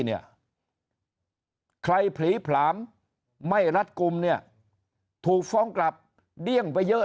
เนี่ยใครผลีผลามไม่รัดกลุ่มเนี่ยถูกฟ้องกลับเดี้ยงไปเยอะ